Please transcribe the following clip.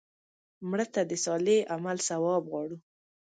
مړه ته د صالح عمل ثواب غواړو